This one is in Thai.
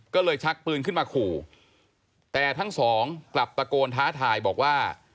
ก็เลยชักปืนขึ้นมาขู่แต่ทั้งสองกลับตะโกนท้าทายบอกว่า